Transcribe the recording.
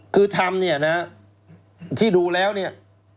คือทำเนี่ยนะที่ดูแล้วเนี่ย